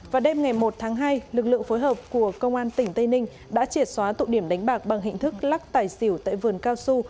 và đêm ngày một tháng hai lực lượng phối hợp của công an tỉnh tây ninh đã triệt xóa tụ điểm đánh bạc bằng hình thức lắc tài xỉu tại vườn cao su